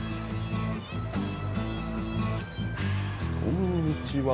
こんにちは。